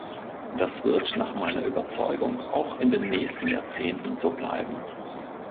Das wird nach meiner Überzeugung auch in den nächsten Jahrzehnten so bleiben.